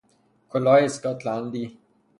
کلاه اسکاتلندی